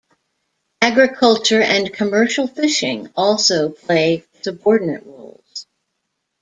Agriculture and commercial fishing also play subordinate roles.